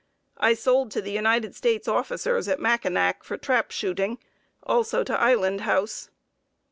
I sold to the United States officers at Mackinac for trap shooting, also to Island House.